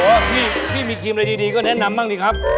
โอ้โหพี่พี่มีครีมใดดีก็แนะนำบ้างดิครับ